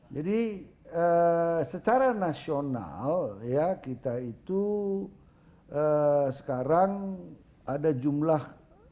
jadi secara nasional ya kita itu sekarang ada jumlah dua ratus dua